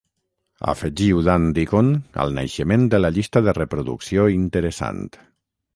Afegiu Dan Deacon al naixement de la llista de reproducció interessant